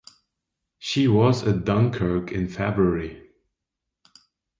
She was at Dunkirk in February.